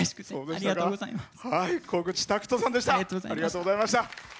ありがとうございます。